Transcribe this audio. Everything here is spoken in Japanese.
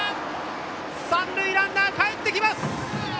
三塁ランナーかえってきました！